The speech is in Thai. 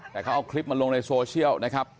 แต่เขาเอาคลิปมาลงในโซเชียลนะครับ